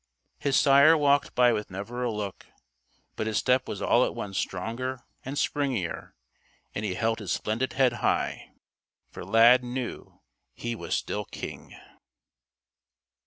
His sire walked by with never a look. But his step was all at once stronger and springier, and he held his splendid head high. For Lad knew he was still king!